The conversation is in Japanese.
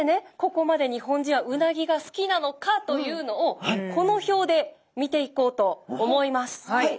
ここまで日本人はうなぎが好きなのかというのをこの表で見ていこうと思います！